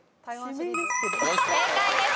正解です。